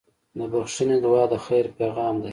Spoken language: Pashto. د بښنې دعا د خیر پیغام دی.